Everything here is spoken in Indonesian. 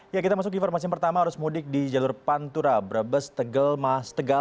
ya kita masuk ke informasi pertama arus mudik di jalur pantura brebes tegal mas tegal